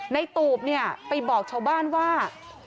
ตูบเนี่ยไปบอกชาวบ้านว่า